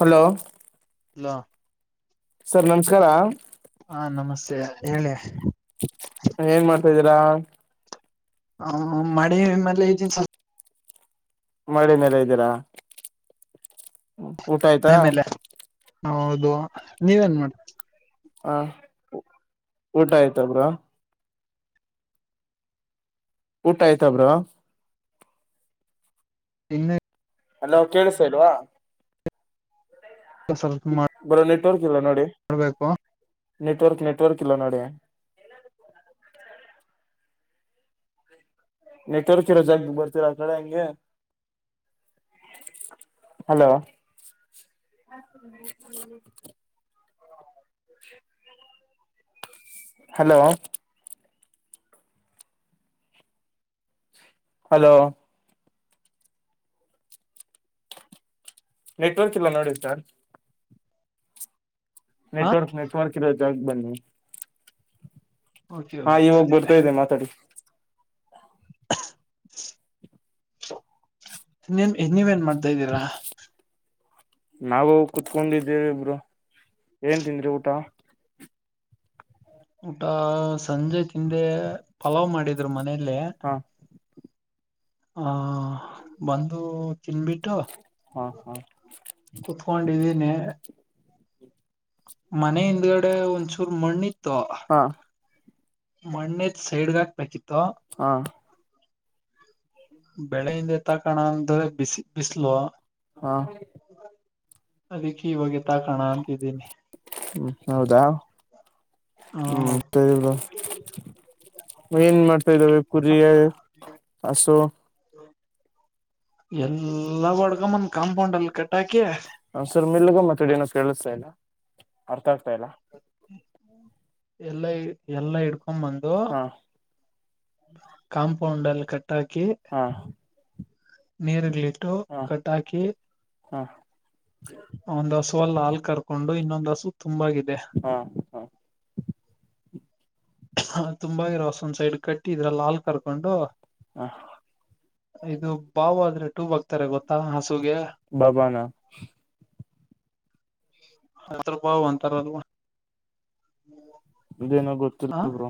Hello ಲ್ಲ sir ನಮಸ್ಕಾರ ಹಾ ನಮಸ್ತೆ ಹೇಳಿ ಸದರಾಮ ಹ ಮಿ ಮ ಜನ್ಸ ಮಳೆ ಮೆಲ್ಲ ಇದ್ದೀರಾ ಊಟ ಆಯ್ತಾ ಮನೆ ಮೇಲೆ ಹೌದು ನೀವೇನ್ ಮಾಡ ಹ ಊಟ ಆಯ್ತಬ್ರ ಊಟ ಆಯ್ತಬ್ರ ಇನ್ನು ಅ ನಾವು ಕೇಳಿಸ ಇಲ್ವಾ ಹಸ ಬರ ನೀ ನೋಡ್ಬೇಕು ನೆಟ್ವರ್ಕ್ ನೆಟ್ವರ್ಕ್ ಇಲ್ಲ ನೋಡಿ ನೆಟ್ವರ್ಕ್ ಇರೋ ಜಾಗಕ ಬರ್ತೀರಾ ಆ ಕಡೆ ಹಂಗೆ ಅಲೋ ಹಲೋ ಹಲೋ ನೆಟ್ವರ್ಕ್ ಇಲ್ಲ ನೋಡಿ ಸಾರ್ ಹ ನೆಟ್ವರ್ಕ್ ನೆಟ್ವರ್ಕ್ ಇರೋ ಜಾಗಕ್ಕ ಬನ್ನಿ ಓಕೆ ಹಾ ಓಕೆ ಇವಾಗ್ ಓಕೆ ಬರ್ತಾ ಇದೆ ಮಾತಾಡಿ [unintelligible] ನೀನ್ ನೀವೇನ್ ಮಾಡ್ತಾ ಇದ್ದೀರಾ ನಾವು ಕೂತ್ಕೊಂಡಿದ್ದೇವಿ ಬ್ರೂ ಏನ್ ತಿಂದ್ರಿ ಊಟ ಊಟಾ ಸಂಜೆ ಹಿಂದೆ ಪಲಾವ್ ಮಾಡಿದ್ರು ಮನೇಲ್ಲ ಹಾ ಹ ಬಂದು ತಿನ್ಬಿಟ್ಟು ಹಾ ಹಾ ಕುತ್ಕೊಂಡಿದೀನಿ ಮನೆ ಹಿಂದ್ಗಡೆ ಒಂದ್ಸೂರು ಮಣ್ಣಿ ತ ಹಾ ಮಣ್ಣ ಹೆತ್ತ ಸೈಡ್ಗಾಕ ಪ್ರಚ ಹಾ ಬೆಳಿಗ್ಗೆ ತಕೋಣ ಅಂದ್ರೆ ಬಿಸಿ ಬಿಸಲು ಹಾ ಅದಕ್ಕೆ ಇವಾಗೆ ತಾಕಣ ಇದಿನಿ ಹ್ಮ್ ಹೌದಾ ಹ್ಮ್ ಮ ಇದು ಏನ್ ಮಾಡ್ತಾದವೆ ಕುರಿ ಹಸು ಎಲ್ಲಾ ಬಡ್ಗಮ್ಮನ್ ಕಾಂಪೌಂಡ್ಲ್ ಕಟ್ಟಾಕೆ ಒ್ಸರ್ ಮಲ್ಗ ಮತ್ತೆಡ ಏನ ಕೇಳಿಸ್ತಾ ಇಲ್ಲ ಅರ್ಥ ಆಗ್ತ ಮತ್ತಲ್ಲ ಎಲ್ಲ ಎಲ್ಲ ಇಕ ಒಮ್ಮಂದು ಹಾ ಕಾಂಪೌಂಡ್ಲ್ ತಾಕಿ ಹಾ ನೀರ ಇರ್ಲಿ ಟು ಹಾ ಕಟಾಕಿ ಹಾ ಒಂದ್ ಹಸುವ ಅಲ್ಲಿ ಹಾಲ್ ಕರ್ಕೊಂಡು ಇನ್ನೊಂದ್ ಹಸು ತುಂಬಾಗಿದೆ ಹಾ ತುಂಬಾ ಇರೋಸ ಒಂದ್ ಸೈಡ್ ಕಟ್ಟಿ ಇದ್ರಲ್ಲ ಹಾಲ್ ಕರ್ಕೊಂಡು ಹಾ ಇದು ಬಾವ ಆದ್ರೆ ಟೂ ಬ ಗೊತ್ತಾ ಹ ಬಬಾನ ಅಂತ ಬಾವ ಒಂತರ ಅಲ್ವಾ ಇದೇನೋ ಗೊತ್ತಿಲ್ಲಬ್ರು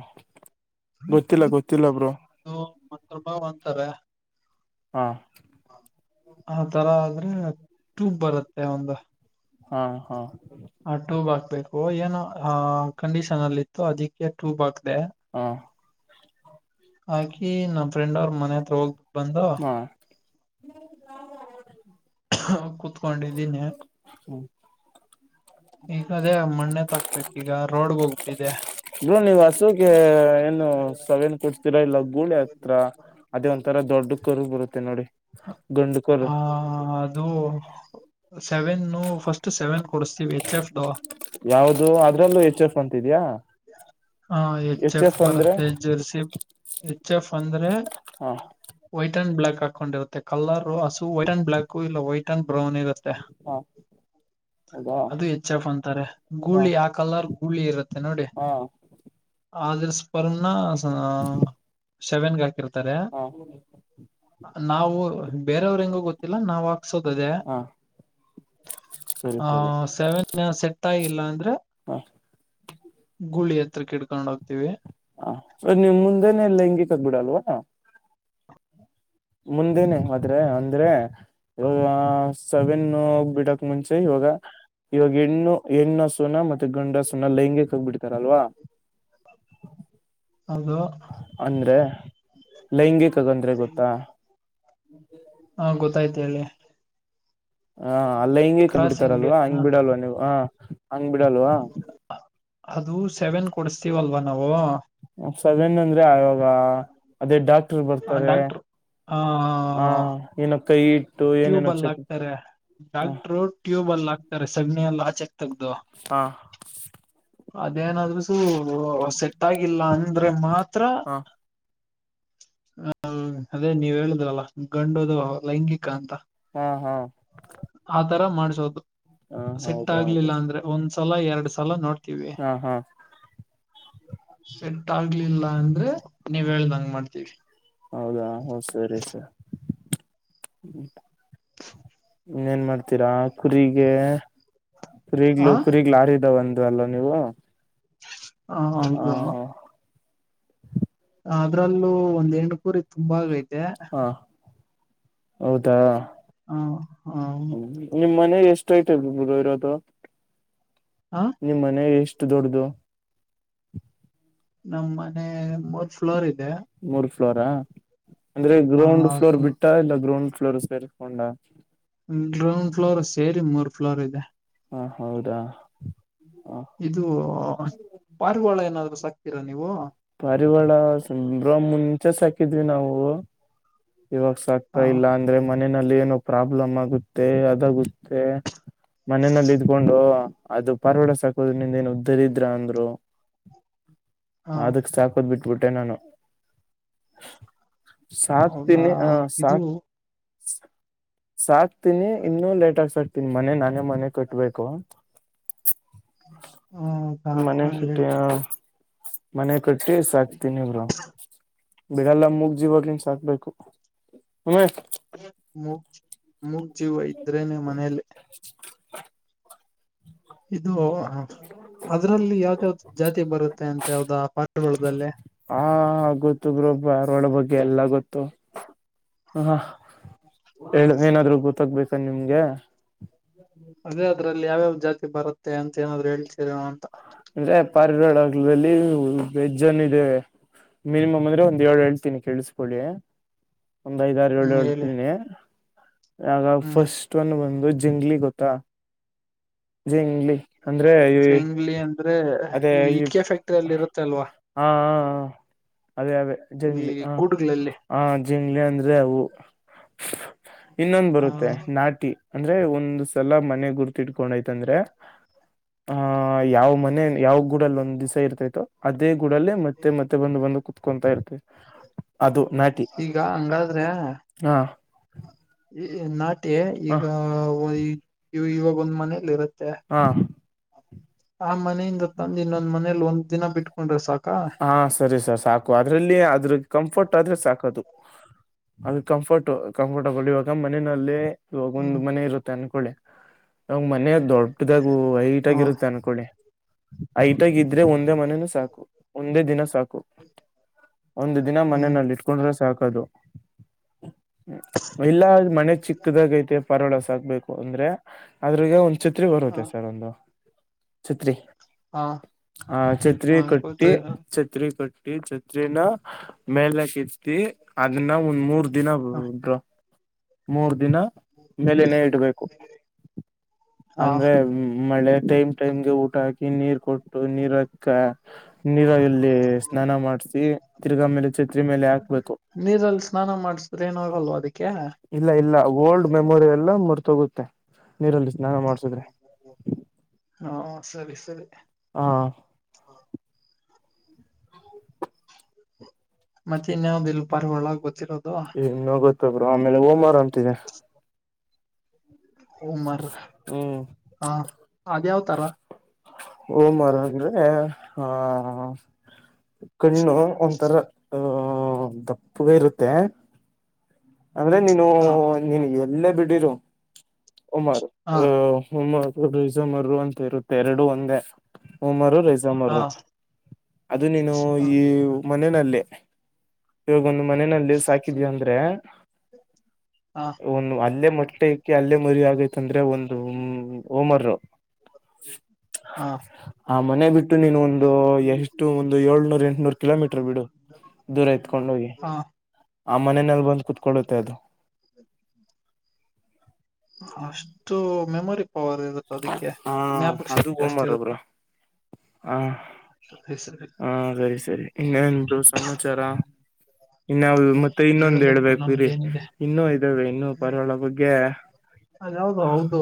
ಗೊತ್ತಿಲ್ಲ ಗೊತ್ತಿಲ್ಲಬರು ಮಂಭ ಅಂತಾರೆ ಹಾ ಆ ತರ ಆದ್ರೆ ಟ್ಯೂಬ್ ಬರುತ್ತೆ ಹ ಒಂದು ಹಾ ಹಾ ಹ ಟೂ ಬ ಹಾಕ್ಬೇಕು ಏನು ಆ ಕಂಡೀಷನ್ ಅಲ್ಲಿ ಇತ್ತು ಅದಕ್ಕೆ ಟೂ ಬಾಕ್ ಹಾ ಆಕಿ ನಮ್ಮ ಫ್ರೆಂಡ್ ಅವ್ರ ಮನೆ ಹತ್ರ ಹೋಗ್ಬ ಬಂದ ಹ್ಮ ಕುೂತ್ಕೊಂಡಿದ್ದೀನಿ ಈಗ ಅದೇ ಮಣ್ಣೆ ತಾಕ್ಬೇಕ ಈಗ ರೋಡ್ ಹೋಗ್ಬ ಟ್ಟಿದೆ ಬ್ರೂ ನೀವ್ ಹಸುಗೆ ಏನು ಸವೆೇನ್ ಕೊಡ್ತೀರಾ ಇಲ್ಲ ಗೂಳಿ ಹತ್ರ ಅದೇ ಒಂಂತರಾ ದೊಡ್ಡ ಕರು ಬರುತ್ತೆ ನೋಡಿ ಗಂಡು ಕರು ಹ್ಮ್ ಸೆವೆನ್ ಫಸ್ಟ್ ಸೆವೆನ್ ಕೊಡಸ್ತೀವಿ ಎಚ್ ಎಫ್ ಯಾವ್ದು ಅದ್ರಲ್ಲೂ ಎಚ್ ಎಫ್ ಅಂತಿದ್ಯಾ ಹ ಎಚ್ ಎಫ್ ಬರುತ್ತೆ ಜರ್ಸಿ ಎಚ್ ಎಫ್ ಅಂದ್ರೆ ಹಾ ವೈಟ್ ಅಂಡ್ ಬ್ಲಾಕ್ ಹಾಕೊಂಡಿರುತ್ತೆ ಕಲರ್ ಹಸು ವೈಟ್ ಅಂಡ್ ಬ್ಲಾಕ್ ಕಲ್ಲವ ಐಟ ಬ್ರೌನ್ ಇರುತ್ತೆ ಹಾ ಹೌದಾ ಅದು ಹೆಚ್ ಎಫ್ ಅಂತಾರೆ ಹಾ ಗೂಳಿ ಆ ಕಲರ್ ಹುಳಿರುತ್ತೆ ತನ್ನೋಡಿ ಹಾ ಆದರ್ ಸ್ಪರಣ ಹಾ ಸೆವೆನ್ಗೆ ಹಕಿರ ಹಾ ನಾವು ಬೇರೆಯವರು ಹೆಂಗೋ ಗೊತ್ತ ನಾವು ಹಾ ಸರಿ ಸರಿ ಸೆವೆನ್ ಸೆಟ್ ಆಗಿಲ್ಲ ಅಂದ್ರೆ ಹ ಗುಳಿ ಎತ್ರ ಕೆ ಇಡ್ಕೊಂಡುೋಗ ಹ ನಿಮ್ ಮುಂದೆನೆ ಲೈಂಗಿಕಕ್ ಬಿಡಲ್ವ ಮುಂದೆನೆ ಆದ್ರೆ ಅಂದ್ರೆ ಇವಾಗ ಸವೆನ್ ಬಿಡಕ್ ಮುಂಚೆ ಇವಾಗ ಇವಾಗ ಹೆಣ್ಣು ಹೆಣ್ಣು ಹಸುನ ಮತ್ ಗಂಡ ಹಸುನ ಲೈಂಗಕ್ ಬಿಡ್ತಾರಲ್ವಾ ಅದು ಅಂದ್ರೆ ಲೈಂಗಿಕಗಂದ್ರೆ ಗೊತ್ತಾ ಹಾ ಗೊತ್ತಾಯ್ತ ಹೇಳಿ ಹಾಂ ಅಲ್ ಲೈಂಗಿಕ ಕ್ರಾಸಿಂಗ್ಗೆ ಬಿಡ್ತಾರಲ್ವಾ ಹ ಹಂಗ್ ಬಿಡಲ್ವ ನೀವು ಹಂಗ್ ಬಿಡಲ್ವಾ ಅದು ಸೆವೆನ್ ಕೊಡಸ್ತೀವಲ್ವನ್ ನಾವಗ ಸದೇನ್ಂದ್ರೆ ಆವಾಗ ಅದೇ ಡಾಕ್ಟರ್ ಬರ್ತಾರೆ ಡಾಕ್ಟರ್ ಆ ಹಾಂ ಹೇಳಕೆ ಕೈ ಇಟ್ಟು ಟ್ಯೂಬ್ ಏನೇನೋ ಎಲ್ಲ ಚೆಕ್ ಹಕ್ತಾರೆ ಹ ಡಾಕ್ಟರು ಟ್ಯೂಬ ಅಲ್ ಹಾಕ್ ತ್ತಾರೆ ಸಗಣಿಯಲ್ಲ ಆಚೆ ಹಾಕ್ [unintelligible] ಹಾ ಅದೇನಾದ್ರೂ ಸೆಟ್ ಆಗಿಲ್ಲ ಅಂದ್ರೆ ಮಾತ್ರ ಹಾ ಹೌದು ಅದೇ ನೀವ್ ಹೇಳುದ್ರಲ್ಲ ಗಂಡದು ಲೈಂಗಿಕ ಗ್ರಾಂತ ಹುಂ ಹುಂ [unintelligible] ಸೆಟ್ ಆಗ್ಲಿಲ್ಲ ಅಂದ್ರೆ ಒಂದ್ಸ ಸಲ ಎರಡು ಸಲ ನೋಡ್ ತೀವಿ ಹಾ ಹಾ ಸೆಟ್ ಆಗ್ಲಿಲ್ಲ ಅಂದ್ರೆ ನೀವ್ ಹೇಳ್ದಂಗ ಮಾಡ್ತೀವಿ ಹ್ಮ್ [inaudible] ಇನ್ ಏನ್ ಮಾಡ್ತೀರಾ ಕುರಿಗೆ ಆ ಕುರೀಗ್ಲು ಕುರೀಗ್ಗ ಲಾರಿದಾವಂತ್ ದಲ್ಲೋ ನೀವು ಹಾ ಹ ಹೌದು ಹ ಅದ್ರಲ್ಲೂ ಒಂದೆ ಹೆಣ್ ಕೂರಿ ತುಂಬಾ ವೇಟ್ ತೆ ಹ ಹೌದಾ ಹ್ಮ್ ಅಂ ನಿಮ್ ಮನೆ ಎಷ್ಟ ಹೈಟು ರೀಬೋದುದು ಗುರು ಇರೋದು ಹ ನಿಮ್ ಮನೆ ಎಷ್ಟು ಎಷ್ಟು ದೊಡ್ಡದು ನಮ್ಮ ಮ ಮೂದ ಫ್ಲೋರ್ ಇದೆ ಮೂರ್ ಫ್ಲೋರಾ ಅಂದ್ರೆ ಗ್ರೌಂಡ್ ಫ್ಲೋರ್ ಬಿಟ್ಟ ಇಲ್ಲ ಗ್ರೌಂಡ್ ಫ್ಲೂರ್ ಸೇರಿಸಕೊಂಡ ಗ್ರೌಂಡ್ ಫ್ಲೋರ್ ಸೇರಿ ಮೂರ್ ಫ್ಲೋರ್ ಇದೆ ಹಾ ಹೌದಾ ಹ ಇದು ಪಾರವಾಳ ಏನಾದ್ರು ಸಾಕ್ತೀರಾ ನೀವು ಪಾರಿವಳ ಸಂಬ್ರ್ಮಣ ಚೆಸ್ ಹಾಕಿದ್ವಿ ನಾವು ಇವಾಗ ಸಾಕ್ತಾ ಹ ಇಲ್ಲ ಅಂದ್ರೆ ಮನೆಯಲ್ಲಿ ಏನೋ ಪ್ರಾಬ್ಲಮ್ ಆಗುತ್ತೆ ಅದಾಗುತ್ತೆ ಮನನಲ್ಲ ಇದ್ಕೊಂಡು ಅದು ಪಾರಿವಾಳ ಸಾಕೋದಿಂದ್ರ ನಿಂದ ಏನೋ ದರಿದ್ರ ಅಂದ್ರು ಹಾ ಅದಕ್ ಸಾಕೋದ್ ಬಿಟ್ಟು ಬೀಟೆ ನಾನು ಸಾತ್ ಹಾ ಇದು ಸಾತ್ ತೀನಿ ಇನ್ನು ಲೇಟ್ ಸಾಕ್ತಿನಿ ಮನೆ ನಾನೇ ಮನೆ ಕಟ್ಬೇಕು ಹ ಮನೆ ಸಟ್ಟ ಹೇಳಿ ಮನೆ ಕಟ್ಟಿ ಸಾಕ ತಿನ್ನಿ ಬ್ರೋ ಬಿಡಲ್ಲ ಮುಗ್ಗಾ ಜೀವಾಗ್ಲಿನ್ ಸಾಕ್ಬೇಕು ಹಮ ಮೂ ಮೂ ಜೀವ ಇದ್ರೇನೆ ಮನೇಲಿ ಇದು ಅದ್ರಲ್ಲಿ ಯಾವ್ದ ಯಾವ್ದ ಜಾತಿ ಬರುತ್ತೆ ಅಂತ ಯಾವ್ದ ಪಾಠದಲ್ಲಿ ದಾರವಾಡ ಬಗ್ಗೆ ಎಲ್ಲ ಗೊತ್ತು ಹ ಹೇಳ ಏನಾದ್ರೂ ಗೊತ್ತಾಗಬೇಕು ನಿಮ್ಗೆ ಹ್ಮ ಹ್ಮ್ ಇದ್ರಲ್ಲಿ ಯಾವ್ಯಾವ ಜಾತಿ ಬರುತ್ತೆ ಅಂತ ಏನಾದ್ರು ಹೇಳ್ೀರ ಅಂತ. ಇ ಪ [unintelligible] ಕಡದಲ್ಲಿ ವೆಜ್ ಅನ್ ಇದೆ ಮಿನಿಮಮ್ ಅಂದ್ರೆ ಒಂದ್ ಏಳು ಹಳ್ತೀನಿ ಕೇಳಿಸ್ಕೊಳ್ಳಿ. ಒಂದ್ ಐದಾರು ಏಳ್ು ಹ್ಮ್ ಹೇಳಿ ಹೇಳ್ತೀನಿ. ಆಗ ಹ್ಮ್ ಫಸ್ಟ್ ಒನ್ ಬಂದು. ಜಿಿಂದ್ಲಿ ಗೊತ್ತಾ. ಜಿಂಗಲಿ. ಶೇಂಗ್ಲಿ ಅಂತ. ಅದೇ ಈ ಅಲ್ವಾ ಹ ಅದೇ ಅದೇ ಈ ಜಂಗ್ಲಿ ಹ ಗೂಡುಗಳಲ್ಲಿ ಹ ಜಂಗ್ಲಿ ಅಂದ್ರೆ ಹವು. ಇನ್ನೊಂದು್ ಹ ಬರುತ್ತೆ ನಾಟಿ. ಅಂದ್ರೆ ಒಂದ ಸಲ ಮನೆ ಗುರ್ತಿಟ್ಕೊಂಡೈ್ತಂದ್ರೆ ಆಹ ಯಾವ ಮನೆ. ಯಾವ ಗೂಡ ಅ ಒಂದ ದಿವಸ ಇರ್ತೈತೋ ಅದೇ. ಕೂಡಲ್ಲಿ ಮತ್ತೆ ಮತ್ತೆ ಬಂದು ಬಂದು. ಕೊಂತಾ ಇರ್ತ ಅದು ನಾಟಿ ಈಗ ಹಂಗಾದ್ರೆ ಹಾ. ನಾ. ಮತ್ತ ಹ ಈಗ ವು ಇವಾಗ ಒಂದ್ ಮನೆಯಲ್ಲಿ ಇರುತ್ತೆ. ಹಾ. ಆ ಮನೆಯಿಂದ ತಂದ ಇನ್ನೊಂದ್ ಮನೇಲಿ ಒಂದ್ ದಿನ ಬಿಟ್ಕೊಂಡ್ರೆ ಸಾಕು. ಹಾ ಸರಿ ಸರ್ ಸಾಕು ಅದ್ರಲ್ಲಿ ಆದ್ರ. ಕಂಫರ್ಟ್ ಆದ್ರೆ ಸಾಕದು ಅ್ರ ಕಂಫರ್ಟ್ ಕಂಫರ್ಟಬಲ್ ಇವಾಗ ಮನೆಯಲ್ಲೇ. ಇವಾಗೊಂದು ಹ್ಮ್ ಮನೆ ಇರುತ್ತೆ ಅನ್ಕೊಳ್ಳಿ. ನ್ ಮನ. ದೊಡ್ಡದಾಗು ಹೈಟ್ ಹಾ ಆಗಿರುತ್ತೆ ಅನ್ಕೊಳ್ಳಿ. ಆಯ. [unintelligible] ಟ್ಟಗ ಇದ್ರೆ ಒಂದೇ ಮನೇನುೂ ಸಾಕು. ಒಂದೇ ದಿನ ಸಾಕು ಒಂದ ದಿನ ಹ್ಮ್ ಮನಲ್ಲಿ ಇಟ್ಕೊಂಡ್ರೆ. ಸಾಕದು ಮನೆ ಚಿಕ್ಕದಾಗ ಐತೆ. ಪರಳಸಕ್ಬೇಕು ಅಂದ್ರೆ ಅದ್ರ ಒ. ಚಿತ್ ಹ ಬರುತ್ತೆ ಸರ್ ಒಂದು. ಛತ್ರಿ. ಹಾ ಹಾ ಹಾ ಚತ್ರಿಯ ಕಟ್. ಗೊತ್ತಾ ಚತ್ರ [inaudible] ಕಟ್ಟಿ ಛತ್ರಿನ ಮೇಲಕೆತ್ತಿ ಅದನ್ನ ಒಂದ ಮೂರ್. ದಿನ ಹ ಬ್ರೋ. ಮೂರ್ದ. ದಿನ ಮೇಲೆನೆೇ ಇಡ್ಬೇಕು ಹಾ ಅಂದ್ರೆ. ಮಳೆ ಟೈಮ್ ಟೈಮ್ಗೆ ಊಟ ಹಾಕಿ ನೀರ್ ಕೊಟ್ಟು ನೀರ್ ಕ್ಕ. ನೀರಾಗಿಲ್. ಅಲ್ಲಿ ಸ್ನಾನ ಮಾಡ್ಸಿ. ತಿರ್ಗಾ ಮೇಲೆ ಛತ್ರಿ ಮೇಲೆ ಹಾಕ್ಬೇಕು. ನೀರಲ್ ಸ್ನಾನ ಮಾಡ್ಸಿದ್ರೆ ಏನ ಆಗಲ್ವ ಅದಕ್ಕೆ. ಇಲ್ಲ ಇಲ್ಲ ಓಲ್ಡ್ ಮೆಮೋರಿಯಲ್. ಮರ್ತೋಗುತ್ತೆ ನೀರಲ್ಲಿ. ಸ್ನಾನಾ ಮಾಡ್ಸುದ್ರೆ. ಹ ಸರಿ ಸರಿ. ಹಾ. ಮತ್ ಇನ್ಯಾವಿಲ್ ಪಾರಿವಾಳಗ್ ಗೊತ್ತಿರೋದ. ಇನ್ನ ಗೊತ್ತು ಬ್ರೋ ಆಮೇಲೆ ಓಮಾರ ಅಂತಿದೆ. ಉಮರ್ ಹ್ಮ್ ಹಾ ಅದ್ಯಾವ. ತರ. ಓ ಮರೋಗ್ರೆ ಹಾ. ಕಣ್ಣು ಒಂಥರ ಅ. ಹ್ಮ ದಪ್ಪಗೆ ಇರುತ್ತೆ. ಅಂದ್ರೆ ನೀನು ಹ ನೀನ್ ಎಲ್ಲೇ ಬಿಟ್. ಇರು. ಉಮರು ಹ ಅ. ರಿಸಮರು ಅಂತ ಇರುತ್ತೆ ಎರಡು ಒಂದೇ ಉಮರು ರೈ. ಹ ಮರ್ ಅದು ನೀನು ಹ ಈ. ಮನೇನಲ್ಲಿ. ಒಂದ್ ಮನೆನಲ್ಲಿ ಸಾಕಿದ್ವಿ ಅಂದ್ರೆ ಹ ಒಂದು ಅಲ್ಲೆ ಮ. ಟ್ಟೆ ಇಕ್ಕಿ ಅಲ್ಲೇ. ಮರಿ ಆಗುತ್. ಅಂತಂದ್ರೆ ಒಂದು ಓಮರ್ ಹಾ ಆ ಮನೆ ಬಿಟ್ಟು ನೀನು ಒಂದು ಎಷ್ಟು ಒಂದು ಏಳ್ನೂರ್ ಎಂಟನೂರ್ ಕಿಲೋಮೀಟರ್ ಬಿಡು ದೂರ ಎತ್ಕೊಂಡೋಗಿ. ಹಾ ಆ ಮನೆನಲ್ ಬಂದು ಕುತ್ಕೊಳ್ಳುತ್ತೆ ಅದು ಅಷ್ಟು ಮೆಮೊರಿ. ಪ್ಪ ಅವರ್ ಇರುತ್ತ ಅದಕ್ಕೆ ಹ ಜ್ಞಾಪಕ ಶಕ್ತಿ ಅಷ್ಟ್ ಇರುತ ಹಾ ಹಾ ಸರಿ ಸರಿ ಇನ್ನೊು ಸಮಾಚಾರ ಇನ್ ಯಾವುದು ಮತ್ತೆ ಇನ್ನೊಂದು ಹೇಳ್ಬೇಕು ರಿ ಇನ್ನೂ ಇದಾವೆ ಇನ್ನು ಪರವಳ ಬಗ್ಗೆ ಅದ ಯಾವ್ದು ಹೌದು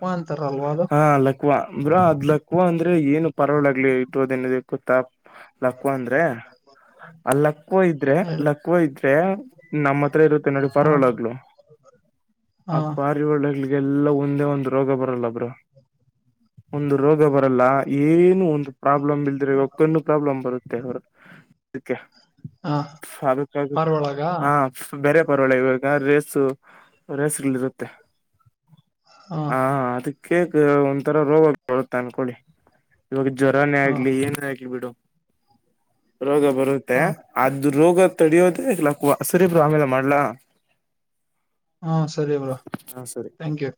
[unintelligible] ಅದು ಹಾ ಲಕ್ವಾ ಅಂದ್ರ ಅದ್ ಲಕ್ವಾ ಅಂದ್ರೆ ಏನು ಪರೋಡ್ಗ್ಲಿ ಇಟ್ಟುದೇನ್ ಕುತ್ ತಬ್ ಲಕ್ವಾ ಅಂದ್ರೆ ಆ ಲಕ್ವಾ ಇದ್ರೆ ಹೇಳಿ ಲಕ್ವಾ ಇದ್ರೆ ನಮ್ಮ ಹತ್ರ ಇರುತ್ತೆ ನೋಡಿ ಹ ಪಾರಿವಡ್ಗ್ಲು ಹ ಆ ಪಾರಿವಾಡ್ಗ್ಲಿ ಈ ಎಲ್ಲಾ ಒಂದೇ ಒಂದ್ ರೋಗ ಬರಲ್ಲ ಬ್ಬ್ರೊ ಒಂದು ರೋಗ ಬತ್ ಲ್ಲ ಏನು ಒಂದು ಪ್ರಾಬ್ಲಮ್ ಇಲ್ದ್ರೆ ಇಕ್ಕ ಪ್ರಾಬ್ಲಮ್ ಬರುತ್ತೆ ಅದಿಕ್ಕೆ ಹ ಪಾರ್ವಳಗ [unintelligible] ಈವಾಗ ರೇಸು ಅವ್ರ ಹೆಸ್ರಲ್ಲಿ ಇರುತ್ತೆ ಹ ಹಾ ಅದಿಕ್ ಕೇಕ್ ಒಂಥರ ರೋಗ ಬರುತ್ತೆ ಅನ್ಕೊಳ್ಳಿ ಇವಾಗ ಜ್ವರಾನೇ ಹ ಆಗ್ಲಿ ಏನ ಆಗ್ಲಿ ಬಿಡು. ರೋಗ ಬರುತ್ತೆ ಹ ಅದುದ್ ರೋಗ ತಡಿಯೋದೆ ಲಾಖ್ವ ಸರಿ ಬ್ರೊ ಆಮೇಲೆ ಮಾಡ್ಲಾ ಹಾ ಸರಿ ಬ್ರೊ ಹಾ ಸರಿ ಥ್ಯಾಂಕ್ ಯು